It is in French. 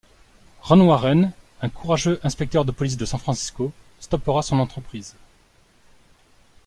Ronn Warren, un courageux inspecteur de police de San Francisco stoppera son entreprise.